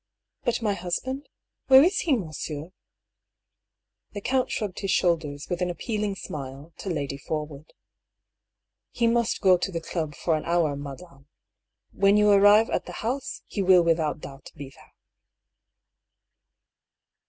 " But my husband ? Where is he, monsieur ?" The count shrugged his shoulders, with an appealing smile, to Lady Forwood. "He must go to the club for an hour, madame. When you arrive at the house, he will without doubt be there."